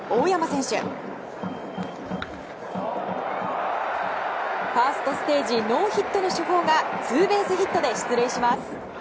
ファーストステージノーヒットの主砲がツーベースヒットで出塁します。